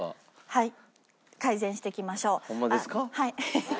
はい改善していきましょう。